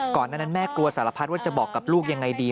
ก่อนนั้นแม่กลัวสารพัดว่าจะบอกกับลูกยังไงดี